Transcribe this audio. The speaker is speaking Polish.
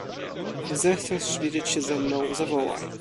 "Gdy zechcesz widzieć się ze mną, zawołaj."